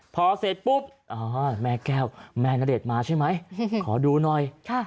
พอเสร็จปุ๊บแม่แก้วแม่ณเดชน์มาใช่ไหมขอดูหน่อย